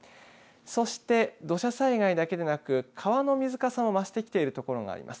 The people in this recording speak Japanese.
そして土砂災害だけでなく川の水かさも増してきている所があります。